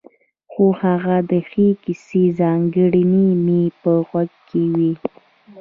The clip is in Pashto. هو هغه د ښې کیسې ځانګړنې مې په غوږ کې وې.